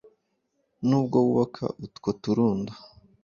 nubwo wubaka utwo turundo